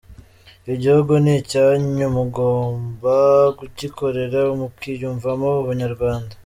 Igihugu ni icyanyu mugomba kugikorera, mukiyumvamo Ubunyarwanda”.